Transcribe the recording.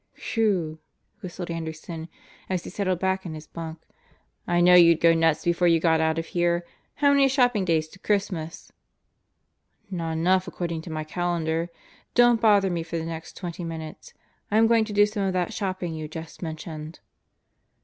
"Whew!" whistled Anderson as he settled back in his bunk. "I knew you'd go nuts before you got out of here. How many shopping days to Christmas?" "Not enough according to my calendar. Don't bother me for the next twenty minutes. I'm going to do some of that shopping you just mentioned."